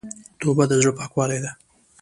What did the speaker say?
توبه د زړه پاکوالی ده.